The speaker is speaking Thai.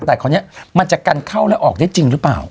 แต่คราวนี้มันจะกันเข้าแล้วออกได้จริงหรือเปล่า